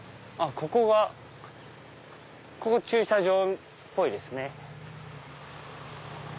ここ駐車場っぽいですね。